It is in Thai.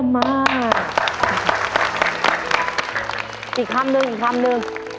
แม่